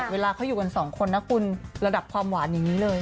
เวลาเขาอยู่กันสองคนนะคุณระดับความหวานอย่างนี้เลย